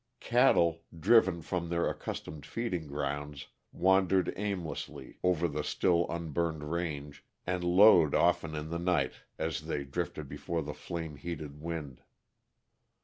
Cattle, driven from their accustomed feeding grounds, wandered aimlessly over the still unburned range, and lowed often in the night as they drifted before the flame heated wind.